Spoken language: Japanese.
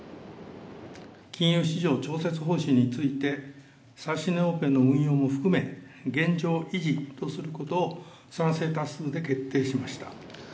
金融市場調節方針について、指値オペの運用を含め、現状維持とすることを、賛成多数で決定しました。